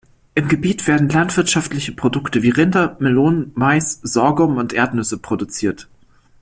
Im Gebiet werden landwirtschaftliche Produkte wie Rinder, Melonen, Mais, Sorghum und Erdnüsse produziert.